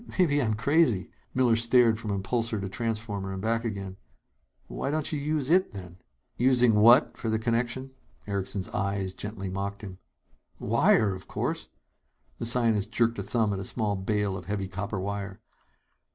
"Maybe I'm crazy!" Miller stared from impulsor to transformer and back again. "Why don't you use it, then?" "Using what for the connection?" Erickson's eyes gently mocked him. "Wire, of course!" The scientist jerked a thumb at a small bale of heavy copper wire.